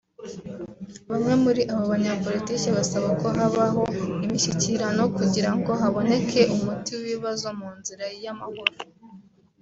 Bamwe muri abo banyapoltiki basaba ko habaho imishyikirano kugira ngo haboneke umuti w’ibibazo mu nzira y’amahoro